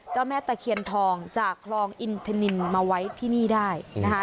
แม่ตะเคียนทองจากคลองอินทนินมาไว้ที่นี่ได้นะคะ